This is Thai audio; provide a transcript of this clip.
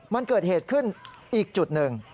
มันเกิดเหตุขึ้นอีกจุดหนึ่ง